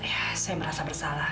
ya saya merasa bersalah